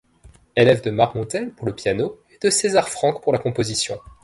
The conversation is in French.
Élève de Marmontel pour le piano et de César Franck pour la composition.